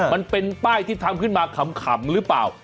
มันเป็นป้ายที่ทำขึ้นมาขำหรือเปล่า